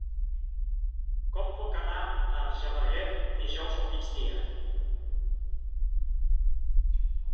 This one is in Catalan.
Com puc anar a Argelaguer dijous al migdia?